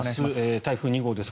台風２号です。